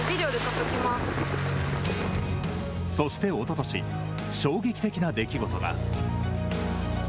そして、おととし衝撃的な出来事が。